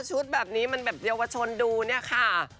ชุดแบบนี้มันแบบเยาวชนดูเนี่ยค่ะ